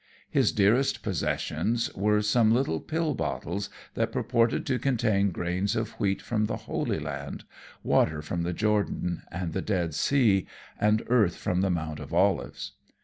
His dearest possessions were some little pill bottles that purported to contain grains of wheat from the Holy Land, water from the Jordan and the Dead Sea, and earth from the Mount of Olives.